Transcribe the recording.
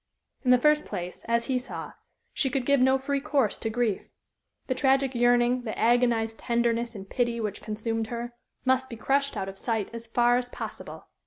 In the first place, as he saw, she could give no free course to grief. The tragic yearning, the agonized tenderness and pity which consumed her, must be crushed out of sight as far as possible.